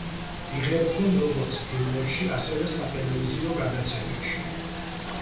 იღებდნენ როგორც ფილმებში, ასევე სატელევიზიო გადაცემებში.